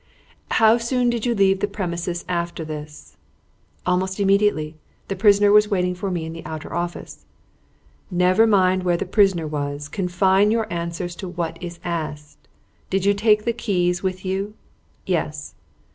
"How soon did you leave the premises after this?" "Almost immediately. The prisoner was waiting for me in the outer office " "Never mind where the prisoner was; confine your answers to what is asked. Did you take the keys with you?" "Yes."